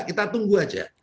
kita tunggu aja